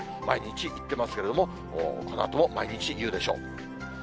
毎日言ってますけれども、このあとも毎日、言うでしょう。